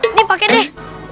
ini pake deh